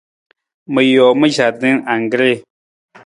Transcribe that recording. Ma joo ma jardin anggree.